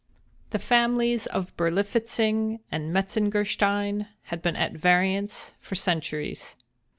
_" The families of Berlifitzing and Metzengerstein had been at variance for centuries.